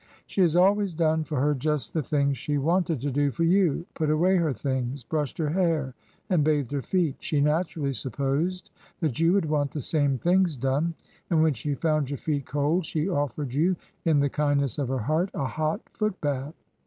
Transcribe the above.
'' She has always done for her just the things she wanted to do for you— put away her things, brushed her hair, and bathed her feet. She naturally supposed that you would want the same things done, and when she found your feet cold she offered you, in the kindness of her heart, a hot foot bath.